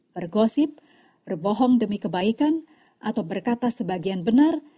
bergosip berbohong demi kebaikan atau berkata sebagian benar